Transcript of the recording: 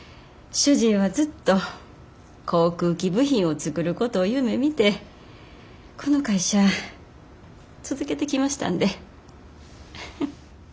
主人はずっと航空機部品を作ることを夢みてこの会社続けてきましたんで。